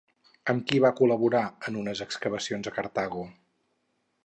Amb qui van col·laborar en unes excavacions a Cartago?